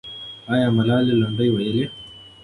آیا ملالۍ لنډۍ وویلې؟